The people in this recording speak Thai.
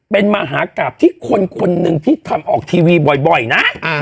เป็นมหากราภที่คนหนึ่งที่หายชายงานบ่อยนะ